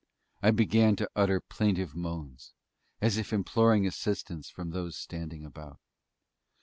I began to utter plaintive moans as if imploring assistance from those standing about.